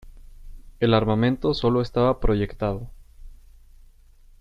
El armamento sólo estaba proyectado.